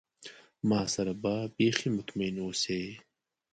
ما سره به بیخي مطمئن اوسی.